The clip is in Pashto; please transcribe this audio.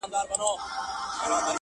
په دعا او په تسلیم يې کړ لاس پورته!.